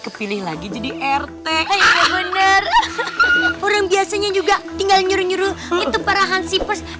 kepilih lagi jadi rt orang biasanya juga tinggal nyuruh nyuruh itu parahan si pers